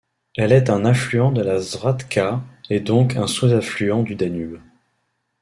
Elle est un affluent de la Svratka, et donc un sous-affluent du Danube.